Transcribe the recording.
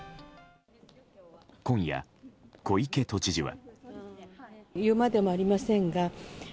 今夜、小池都知事は。